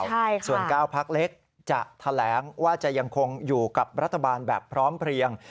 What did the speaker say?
ส่วน๙พักเล็กจะแถลงว่าจะยังคงอยู่กับรัฐบาลแบบพร้อมเพลียง